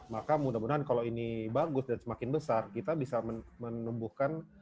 maka mudah mudahan kalau ini bagus dan semakin besar kita bisa menumbuhkan